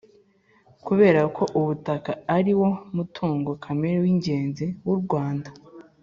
Kubera ko ubutaka ariwo mutungo kamere w ingenzi wu u Rwanda